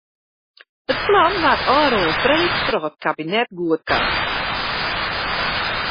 It plan waard ôfrûne freed troch it kabinet goedkard.